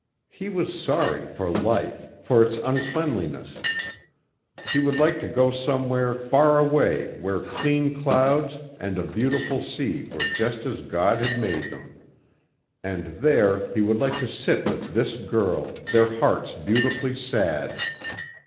He was sorry for life, for its uncleanliness. He would like to go somewhere far away where clean clouds and a beautiful sea were just as God had made them. And there he would like to sit with this girl, their hearts beautifully sad.